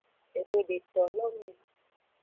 Exwe detolo me.